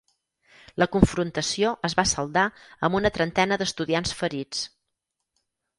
La confrontació es va saldar amb una trentena d'estudiants ferits.